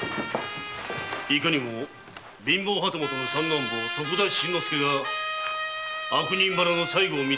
いかにも貧乏旗本の三男坊徳田新之助が悪人ばらの最後を見届けに来た。